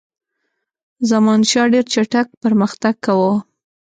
زمانشاه ډېر چټک پرمختګ کاوه.